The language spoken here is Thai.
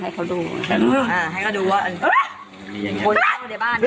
สายเป็นเจ้าของบ้าน